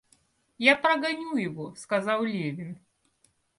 Я прогоню его, — сказал Левин.